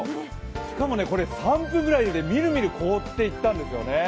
しかもこれ３分ぐらいでみるみる凍っていったんですよね。